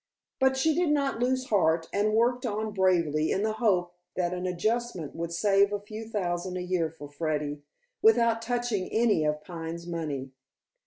But she did not lose heart, and worked on bravely in the hope that an adjustment would save a few thousand a year for Freddy, without touching any of Pine's money.